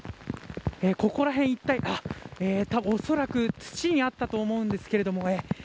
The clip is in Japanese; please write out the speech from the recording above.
ここら辺一帯おそらく土にあったと思うんですけどね。